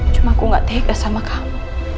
cuma aku gak tega sama kamu